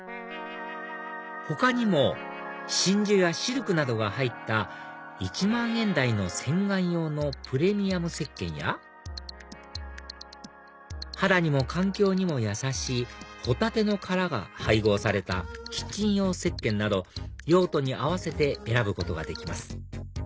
他にも真珠やシルクなどが入った１万円台の洗顔用のプレミアムせっけんや肌にも環境にも優しいホタテの殻が配合されたキッチン用せっけんなど用途に合わせて選ぶことができます